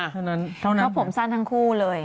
เพราะผมสั้นทั้งคู่เลย